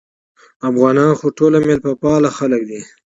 افغانان خو ټول مېلمه پاله خلک دي